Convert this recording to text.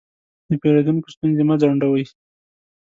د پیرودونکو ستونزې مه ځنډوئ.